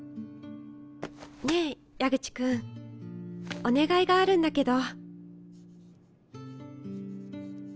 ねえ矢口君お願いがあるんだけど。